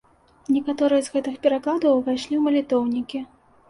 Некаторыя з гэтых перакладаў увайшлі ў малітоўнікі.